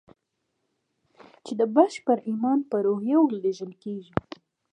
چې د بشپړ ايمان په روحيه ورلېږل کېږي.